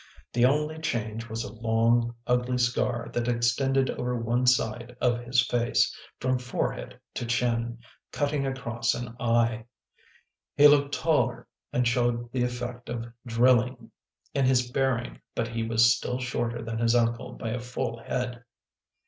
The only change was a long ugly scar that extended over one side of his face, from fore head to chin, cutting across an eye. He looked taller and showed the effect of drilling in his bearing but he was still shorter than his uncle by a full head.